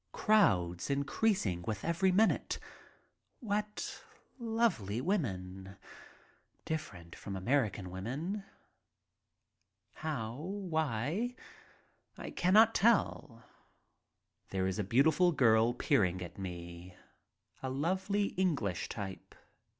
Crowds, increasing with every minute. What lovely women, different from American women. How, why, I cannot tell. There is a beautiful girl peering at me, a lovely English type.